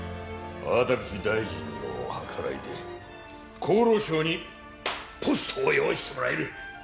粟田口大臣の計らいで厚労省にポストを用意してもらえる。